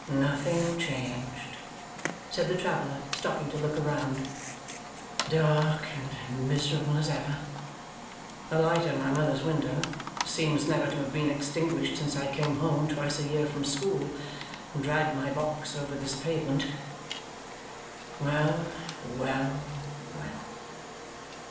'Nothing changed,' said the traveller, stopping to look round. 'Dark and miserable as ever. A light in my mother's window, which seems never to have been extinguished since I came home twice a year from school, and dragged my box over this pavement. Well, well, well!